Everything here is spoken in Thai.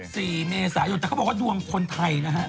สี่เมษายนแต่เขาบอกว่าดวงคนไทยนะฮะ